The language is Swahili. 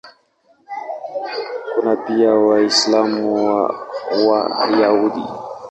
Kuna pia Waislamu na Wayahudi.